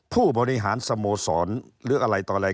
ผู้บริหารสโมสรหรืออะไรต่ออะไร